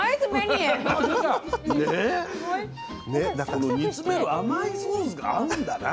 この煮詰める甘いソースが合うんだな。